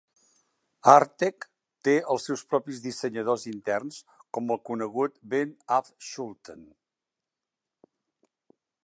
Artek té els seus propis dissenyadors interns, com el conegut Ben af Schulten.